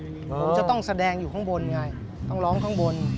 ผมจะต้องแสดงอยู่ข้างบนไงต้องร้องข้างบน